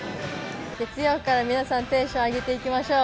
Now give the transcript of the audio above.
月曜から皆さんテンション上げていきましょう。